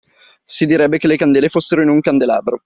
Si direbbe che le candele fossero in un candelabro.